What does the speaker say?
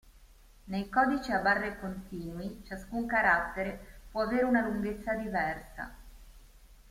Nei codici a barre continui, ciascun carattere può avere una lunghezza diversa.